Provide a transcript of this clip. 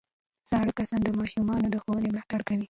زاړه کسان د ماشومانو د ښوونې ملاتړ کوي